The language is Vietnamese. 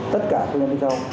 tất cả không gian kia sau